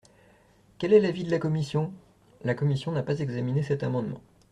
Quel est l’avis de la commission ? La commission n’a pas examiné cet amendement.